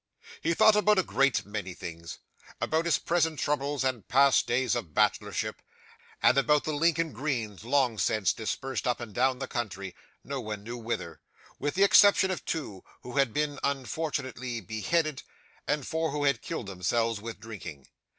'He thought about a great many things about his present troubles and past days of bachelorship, and about the Lincoln greens, long since dispersed up and down the country, no one knew whither: with the exception of two who had been unfortunately beheaded, and four who had killed themselves with drinking.